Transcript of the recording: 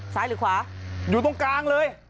หรือขวาอยู่ตรงกลางเลย